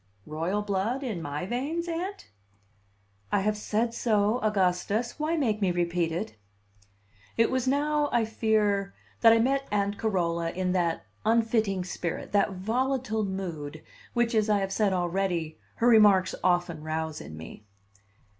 "Royal blood in my veins, Aunt?" "I have said so, Augustus. Why make me repeat it?" It was now, I fear, that I met Aunt Carola in that unfitting spirit, that volatile mood, which, as I have said already, her remarks often rouse in me.